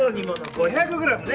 ５００ｇね。